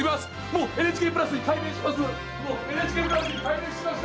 もうＮＨＫプラスに改名しました！